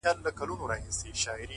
هم داسي ستا دا گل ورين مخ!!